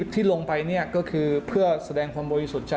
ที่ลงไปก็คือเพื่อแสดงความบริสุทธิ์ใจ